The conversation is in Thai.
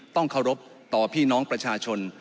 ต้องเคารพต่อพี่น้องประชาชน